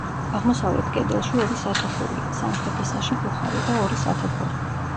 აღმოსავლეთ კედელში ორი სათოფურია, სამხრეთისაში ბუხარი და ორი სათოფური.